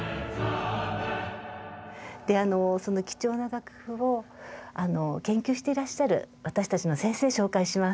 であのその貴重な楽譜を研究していらっしゃる私たちの先生紹介します。